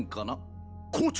校長！